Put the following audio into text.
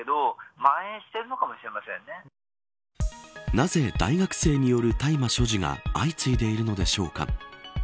なぜ、大学生による大麻所持が相次いでいるのでしょうか。